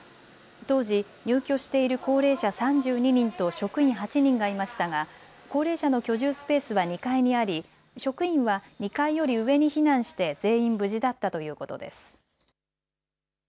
当時、入居している高齢者３２人と職員８人がいましたが高齢者の居住スペースは２階にあり職員は２階より上に避難して全員無事だったということです。